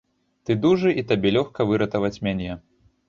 Ты дужы і табе лёгка выратаваць мяне.